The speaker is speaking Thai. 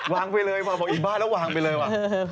วางไปเลยวางบอกอีกบ้านแล้ววางไปเลยว่ะ